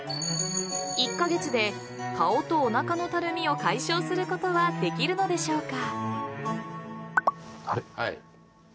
［１カ月で顔とおなかのたるみを解消することはできるのでしょうか？］